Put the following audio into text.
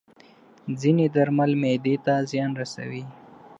ځینې درمل معده ته زیان رسوي.